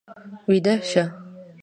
ويده شه.